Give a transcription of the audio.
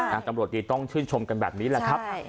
ตำรวจดีต้องชื่นชมกันแบบนี้แหละครับ